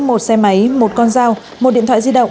một xe máy một con dao một điện thoại di động